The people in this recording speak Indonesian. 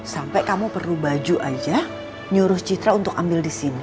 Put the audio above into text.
sampai kamu perlu baju aja nyuruh citra untuk ambil di sini